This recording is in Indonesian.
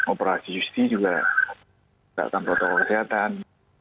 operasi justi juga tidak akan protokol kesehatan